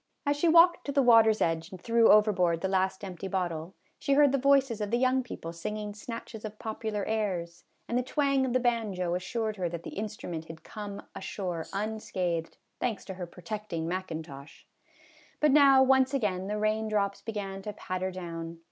As she walked to the water's edge and threw overboard the last empty bottle, she heard the voices of the young people singing snatches of pop ular airs, and the twang of the banjo assured her that the instrument had come ashore unscathed, thanks to her protecting mackintosh. But now, MKS. HUDSON'S PICNIC. 155 once again, the rain drops began to patter down.